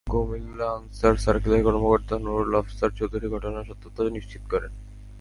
কুমিল্লা আনসার সার্কেলের কর্মকর্তা নুরুল আফসার চৌধুরী ঘটনার সত্যতা নিশ্চিত করেন।